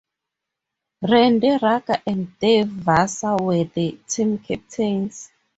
Randy Ruger and Dave Vassar were the team captains.